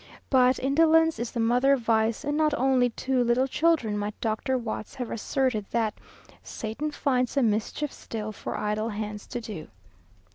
But indolence is the mother of vice, and not only to little children might Doctor Watts have asserted that "Satan finds some mischief still, For idle hands to do."